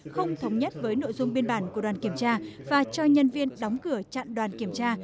không thống nhất với nội dung biên bản của đoàn kiểm tra và cho nhân viên đóng cửa chặn đoàn kiểm tra